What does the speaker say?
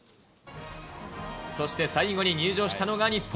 そして最後に入場したのが日本。